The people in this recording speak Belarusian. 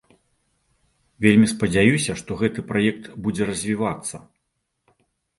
Вельмі спадзяюся, што гэты праект будзе развівацца.